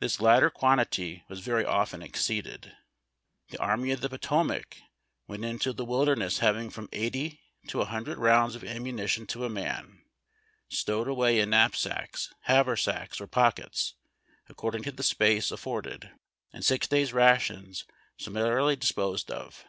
This latter quantity was very often exceeded. The Army of the Potomac went into the Wilderness having from eighty to a hundred rounds of ammunition to a man, stowed away in knapsacks, haver sacks, or pockets, according to the space afforded, and six days' rations similarly disposed of.